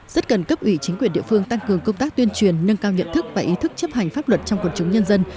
rất cần cấp ủy chính quyền địa phương tăng cường công tác tuyên truyền nâng cao nhận thức và ý thức chấp hành pháp luật trong quần chúng nhân dân